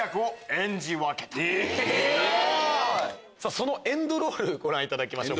そのエンドロールご覧いただきましょう。